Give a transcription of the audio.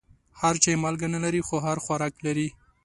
هر چای مالګه نه لري، خو هر خوراک لري.